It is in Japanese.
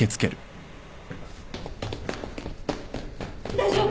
大丈夫！？